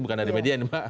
bukan dari media